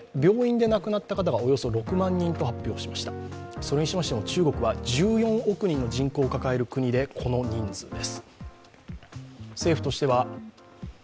それにしましても中国は１４億人の人口を抱える国でこの人数です。